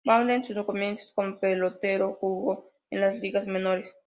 Wade, en sus comienzos como pelotero, jugó en las Ligas Menores.